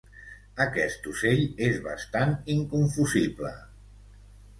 Aquest ocell és bastant inconfusible.